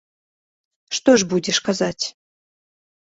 Што ж будзеш казаць?